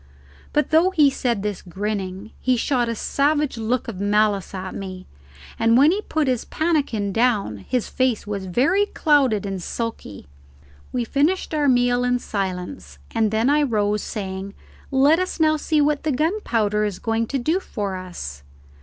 But though he said this grinning, he shot a savage look of malice at me, and when he put his pannikin down his face was very clouded and sulky. We finished our meal in silence, and then I rose, saying, "Let us now see what the gunpowder is going to do for us."